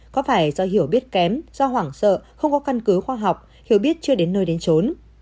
có phải do hiểu biết kém do hoảng sợ không có căn cứ khoa học hiểu biết chưa đến nơi đến trốn